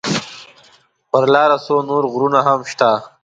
پر لاره څو نور غرونه هم شته.